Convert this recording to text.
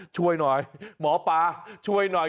ช่วยหน่อยหมอปลาช่วยหน่อย